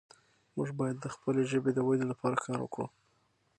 موږ باید د خپلې ژبې د ودې لپاره کار وکړو.